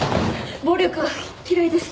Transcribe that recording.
暴力は嫌いです